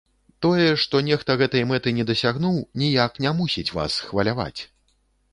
Тое, што нехта гэтай мэты не дасягнуў, ніяк не мусіць вас хваляваць.